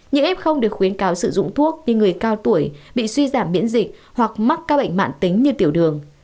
những ép không được khuyến cáo sử dụng thuốc như người cao tuổi bị suy giảm biễn dịch hoặc mắc các bệnh mạng tính như tiểu đường